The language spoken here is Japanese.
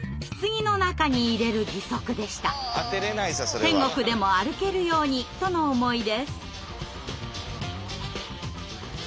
「天国でも歩けるように」との思いです。